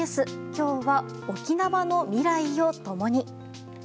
今日は、沖縄の未来を共に。